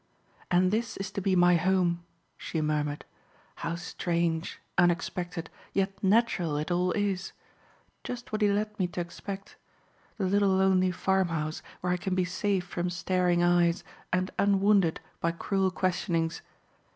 "And this is to be my home!" she murmured. "How strange, unexpected, yet natural it all is! Just what he led me to expect. The little lonely farmhouse, where I can be safe from staring eyes and unwounded by cruel questionings.